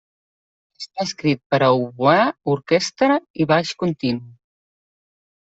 Està escrit per a oboè, orquestra i baix continu.